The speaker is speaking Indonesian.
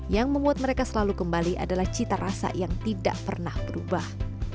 yang membuat mereka selalu kembali adalah cita rasa yang tidak pernah berubah